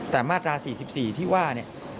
แต่มาตรา๔๔ที่ว่าเนี่ย